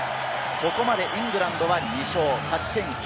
ここまでイングランドは２勝、勝ち点９。